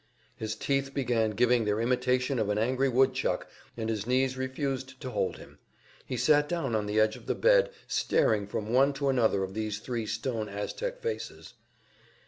His teeth began giving their imitation of an angry woodchuck, and his knees refused to hold him; he sat down on the edge of the bed, staring from one to another of these three stone Aztec faces.